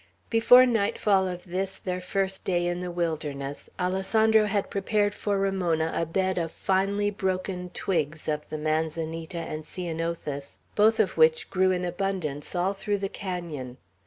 Before nightfall of this their first day in the wilderness, Alessandro had prepared for Ramona a bed of finely broken twigs of the manzanita and ceanothus, both of which grew in abundance all through the canon.